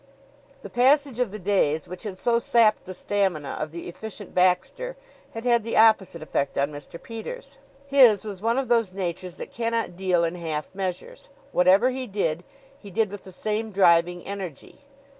The passage of the days, which had so sapped the stamina of the efficient Baxter, had had the opposite effect on Mr. Peters. His was one of those natures that cannot deal in half measures. Whatever he did, he did with the same driving energy.